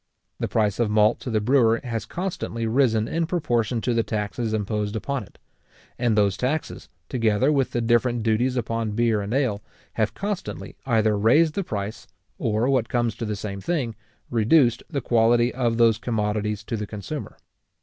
The price of malt to the brewer has constantly risen in proportion to the taxes imposed upon it; and those taxes, together with the different duties upon beer and ale, have constantly either raised the price, or, what comes to the same thing, reduced the quality of those commodities to the consumer.